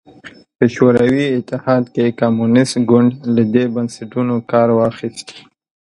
په شوروي اتحاد کې کمونېست ګوند له دې بنسټونو کار واخیست